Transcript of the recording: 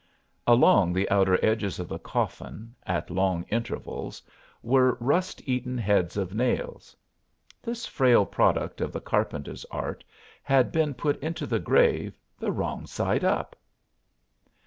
Along the outer edges of the coffin, at long intervals, were rust eaten heads of nails. This frail product of the carpenter's art had been put into the grave the wrong side up!